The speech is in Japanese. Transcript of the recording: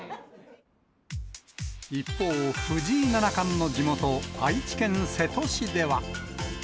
一方、藤井七冠の地元、愛知県瀬戸市では。